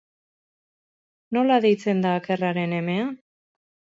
Nola deitzen da akerraren emea?